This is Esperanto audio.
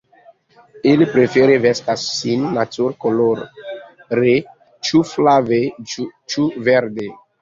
Ili prefere vestas sin natur-kolore, ĉu flave, ĉu verde.